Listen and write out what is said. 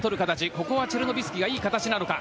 ここはチェルノビスキがいい形なのか。